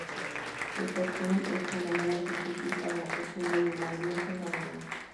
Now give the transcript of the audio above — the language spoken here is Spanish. Esta opción es cuando menos difícil para la costumbre de una audiencia moderna.